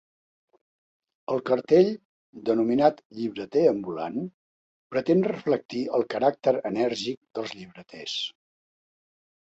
El cartell, denominat “Llibreter ambulant”, pretén reflectir el caràcter enèrgic dels llibreters.